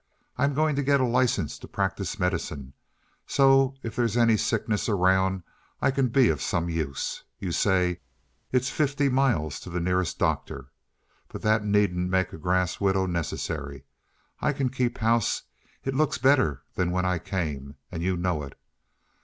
I'm going to get a license to practice medicine, so if there's any sickness around I can be of some use. You say it's fifty miles to the nearest doctor. But that needn't make a grass widow necessary. I can keep house it looks better than when I came, and you know it."